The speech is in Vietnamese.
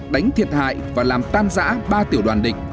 đánh thiệt hại và làm tan giã ba tiểu đoàn địch